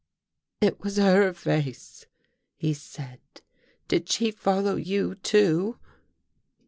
" It was her face," he said. " Did she follow you, too?"